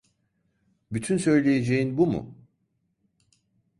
Bütün söyleyeceğin bu mu?